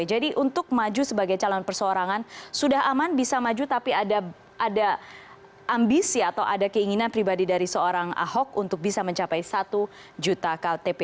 jadi untuk maju sebagai calon perseorangan sudah aman bisa maju tapi ada ambisi atau ada keinginan pribadi dari seorang ahok untuk bisa mencapai satu juta ktp